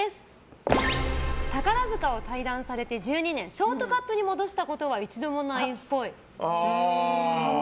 宝塚を退団されて１２年ショートカットに戻したことは一度もないっぽい。